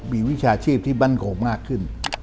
มีวิชาชีพที่มั่นคงมากขึ้น